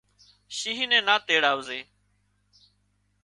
شينهن نين نا تيڙاوزي